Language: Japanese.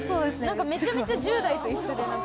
めちゃめちゃ１０代と一緒で。